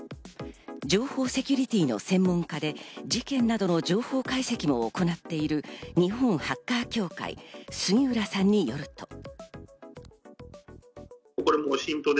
情報セキュリティーの専門家で事件などの情報解析も行っている日本ハッカー協会・杉浦さんによると。